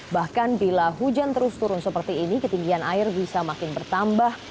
bahkan bila hujan terus turun seperti ini ketinggian air bisa makin bertambah